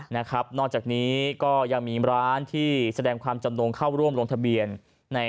นอกจากนี้ก็ยังมีร้านที่แสดงความจำนงเข้าร่วมลงทะเบียน